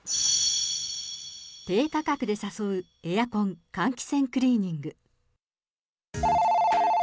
低価格で誘うエアコン、換気扇クリーニング。